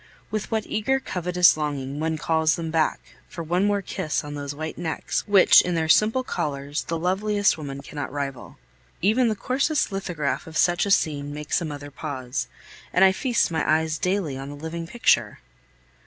With what eager, covetous longing one calls them back for one more kiss on those white necks, which, in their simple collars, the loveliest woman cannot rival. Even the coarsest lithograph of such a scene makes a mother pause, and I feast my eyes daily on the living picture!